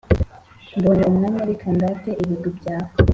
mbonye umwanya reka ndate ibigwi byawe ,